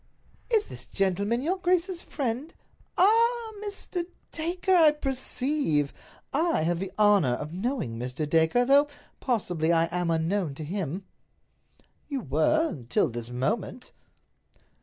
"Is this gentleman your grace's friend? Ah—Mr. Dacre, I perceive! I have the honor of knowing Mr. Dacre, though, possibly, I am unknown to him." "You were—until this moment."